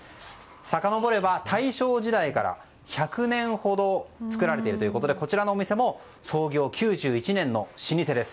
さかのぼれば大正時代から１００年ほど作られているということでこちらのお店も創業９１年の老舗です。